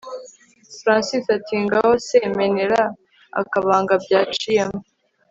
Francis atingaho se menera akabanga byaciyemo